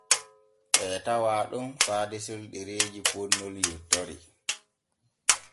Ɓee tawaa ɗon faa desol ɗereeji ponnol yontori.